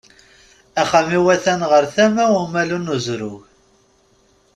Axxam-iw at-an ɣer tama umalu n uzrug.